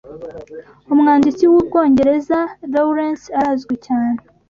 Umwanditsi w’Ubwongereza Lawurence arazwi cyane